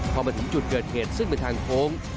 พอมาถึงจุดเกิดเหตุซึ่งเป็นทางโค้ง